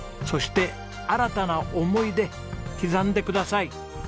そして新たな思い出刻んでください。